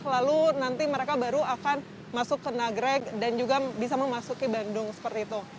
lalu nanti mereka baru akan masuk ke nagrek dan juga bisa memasuki bandung seperti itu